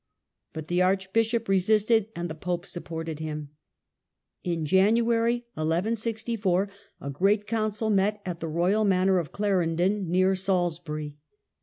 But the archbishop resisted, and the pope supported him. In January 1164, a great council met at the royal manor of Clarendon, near Salisbury.